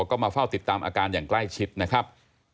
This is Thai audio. ก็มาเฝ้าติดตามอาการอย่างใกล้ชิดนะครับ